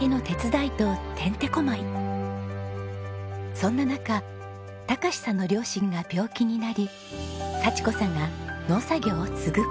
そんな中孝さんの両親が病気になり幸子さんが農作業を継ぐ事に。